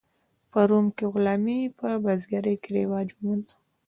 په روم کې غلامي په بزګرۍ کې رواج وموند.